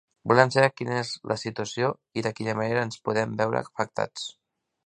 Volem saber quina és la situació i de quina manera ens podem veure afectats.